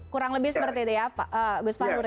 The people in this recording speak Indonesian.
kurang lebih seperti itu ya gus fahru